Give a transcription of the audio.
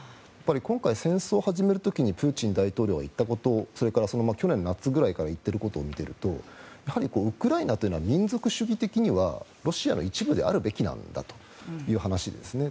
今回、戦争を始める時にプーチン大統領が言ったことそれから去年の夏ぐらいから言っていることを見ているとやはりウクライナというのは民族主義的にはロシアの一部であるべきなんだという話ですね。